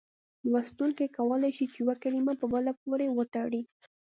لوستونکی کولای شي چې یوه کلمه په بلې پورې وتړي.